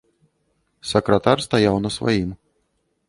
Сакратар стаяў на сваім.